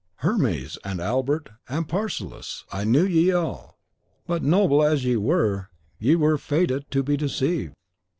Hermes and Albert and Paracelsus, I knew ye all; but, noble as ye were, ye were fated to be deceived.